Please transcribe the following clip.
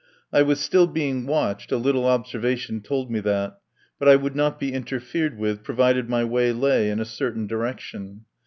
I was still being watched — a little observation told me that — but I would not be interfered with, provided my way lay in a certain direction.